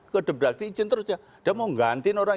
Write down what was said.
kedep depan ini izin terus ya dia mau mengganti orang